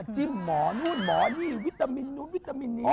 จิ้มหมอนู่นหมอนี่วิตามินนู้นวิตามินนี้